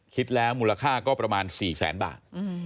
คิดแล้วมูลค่าก็ประมาณ๔แสนบาท